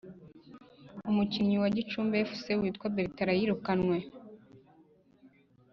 Umukinnyi wa gicumbi fc witwa bertland yirukanwe